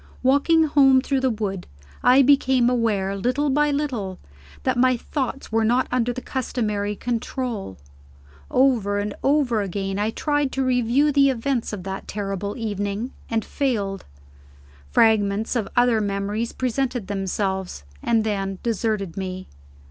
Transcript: Walking home through the wood, I became aware, little by little, that my thoughts were not under the customary control. Over and over again, I tried to review the events of that terrible evening, and failed. Fragments of other memories presented themselves and then deserted me.